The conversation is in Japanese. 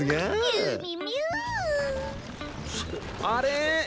あれ？